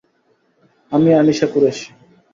আমি আনিশা কুরেশি।